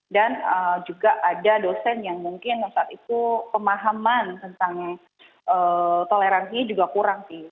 dan juga ada dosen yang mungkin saat itu pemahaman tentang toleransi juga kurang sih